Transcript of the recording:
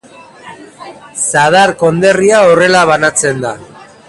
Zadar konderria horrela banatzen da.